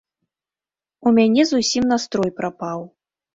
У мяне зусім настрой прапаў.